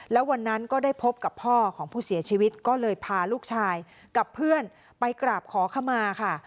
แล้ววันนั้นก็ได้พบกับพ่อของผู้เสียชีวิตก็เลยพาลูกชายกับเพื่อนไปกราบขอขมาค่ะ